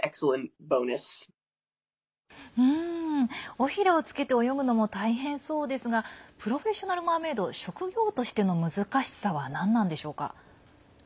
尾ひれをつけて泳ぐのも大変そうですがプロフェッショナル・マーメード職業としての難しさはなんなんでしょうか？